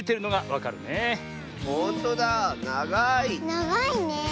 ながいねえ。